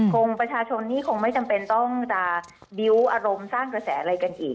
ประชาชนนี่คงไม่จำเป็นต้องจะบิ้วอารมณ์สร้างกระแสอะไรกันอีก